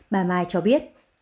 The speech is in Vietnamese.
bà mai cho biết